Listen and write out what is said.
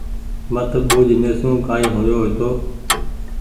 مت ٻوُج مهسون ڪآئي هويو هيتو